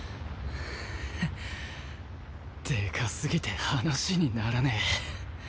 フッでかすぎて話にならねぇ。